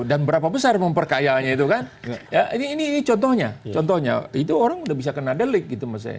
dan berapa besar memperkayanya itu kan ini contohnya itu orang sudah bisa kena delik gitu maksud saya